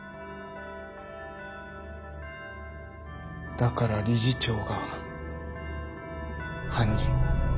だから理事長が犯人。